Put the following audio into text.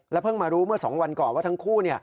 เพิ่งมารู้เมื่อ๒วันก่อนว่าทั้งคู่